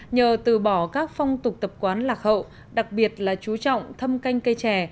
nhờ từ bỏ các phong tục tập quán lạc hậu đặc biệt là chú trọng thâm canh cây trè